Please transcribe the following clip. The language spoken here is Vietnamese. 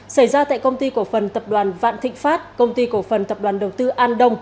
xảy ra tại công ty cổ phần tập đoàn vạn thịnh pháp công ty cổ phần tập đoàn đầu tư an đông